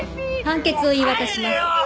判決を言い渡します。